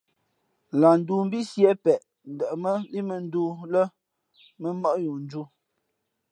Lah ndōō mbí Sié peʼ ndαʼmά líʼ mᾱᾱndōō lά mᾱ mmάʼ yo nju.